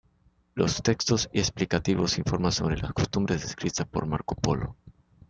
Los textos explicativos informan sobre las costumbres descritas por Marco Polo.